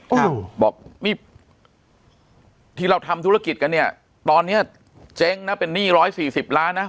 โอ้โหบอกนี่ที่เราทำธุรกิจกันเนี่ยตอนเนี้ยเจ๊งนะเป็นหนี้ร้อยสี่สิบล้านนะ